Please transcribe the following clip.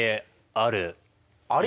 ある？